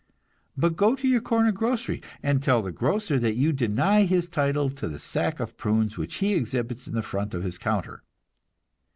But go to your corner grocery, and tell the grocer that you deny his title to the sack of prunes which he exhibits in front of his counter.